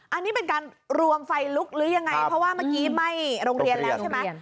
อันนี้เป็นการรวมไฟลุกหรือยังไงเพราะว่าเมื่อกี้ไหม้โรงเรียนแล้วใช่ไหม